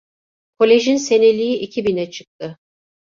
Kolejin seneliği iki bine çıktı…